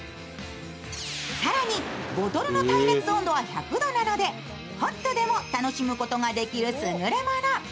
更にボトルの耐熱温度は１００度なのでホットでも楽しむことができるすぐれもの。